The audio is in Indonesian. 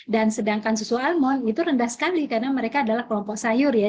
dan sedangkan susu almond itu rendah sekali karena mereka adalah kelompok sayur ya